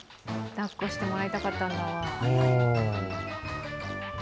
抱っこしてもらいたかったんだわ。